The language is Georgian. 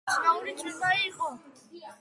უცნაური წვიმა იყო.